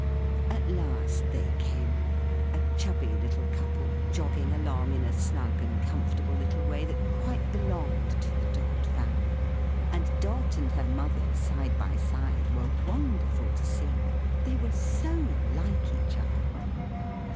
At last they came: a chubby little couple, jogging along in a snug and comfortable little way that quite belonged to the Dot family: and Dot and her mother, side by side, were wonderful to see. They were so like each other.